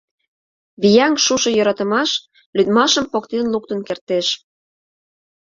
«Вияҥ шушо йӧратымаш лӱдмашым поктен луктын кертеш.